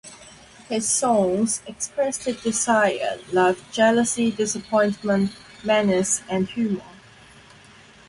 His songs expressed desire, love, jealousy, disappointment, menace and humor.